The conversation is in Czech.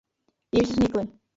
Již vznikly.